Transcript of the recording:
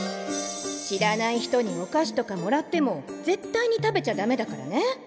知らない人にお菓子とかもらっても絶対に食べちゃダメだからね。